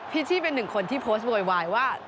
ชชี่เป็นหนึ่งคนที่โพสต์โวยวายว่า